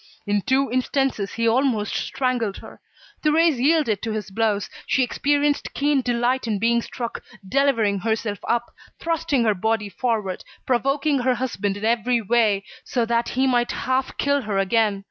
In two instances he almost strangled her. Thérèse yielded to his blows. She experienced keen delight in being struck, delivering herself up, thrusting her body forward, provoking her husband in every way, so that he might half kill her again.